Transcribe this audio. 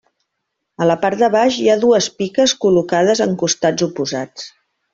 A la part de baix hi ha dues piques col·locades en costats oposats.